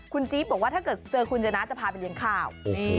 คุณจี๊บบอกว่าถ้าเกิดเจอคุณชนะจะพาไปเลี้ยงข้าว